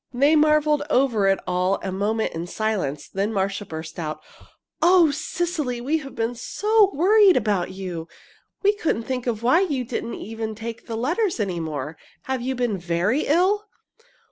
They marveled over it all a moment in silence. Then Marcia burst out: "Oh, Cecily, we've been so worried about you! We couldn't think why you didn't even take the letters any more. Have you been very ill?"